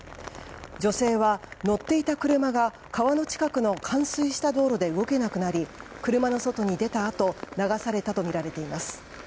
女性は乗っていた車が川の近くの冠水した道路で動けなくなり車の外に出たあと流されたとみられています。